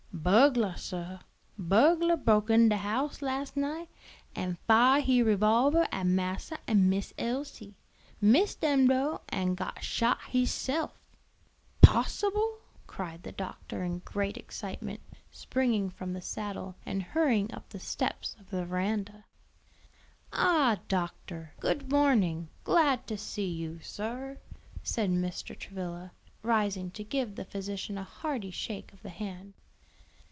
"Burglah, sir, burglah broke in de house las' night, an' fire he revolvah at massa an' Miss Elsie. Miss dem, dough, an' got shot hisself." "Possible!" cried the doctor in great excitement, springing from the saddle and hurrying up the steps of the veranda. "Ah, doctor, good morning. Glad to see you, sir," said Mr. Travilla, rising to give the physician a hearty shake of the hand.